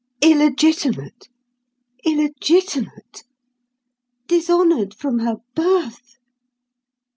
Illegitimate! illegitimate! Dishonoured from her birth!